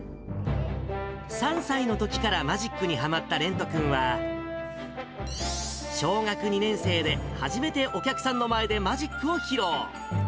３歳のときからマジックにはまった蓮人君は、小学２年生で初めてお客さんの前でマジックを披露。